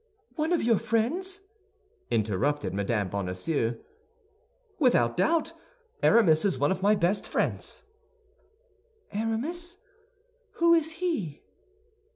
"One of your friends?" interrupted Mme. Bonacieux. "Without doubt; Aramis is one of my best friends." "Aramis! Who is he?"